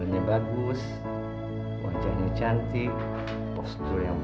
rp seratus juta untuk pia